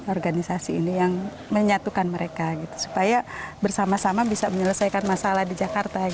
organisasi ini yang menyatukan mereka supaya bersama sama bisa menyelesaikan masalah di jakarta